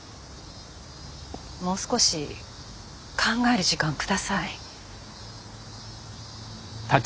もう少し考える時間下さい。